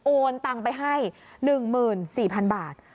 ตังไปให้๑๔๐๐๐บาท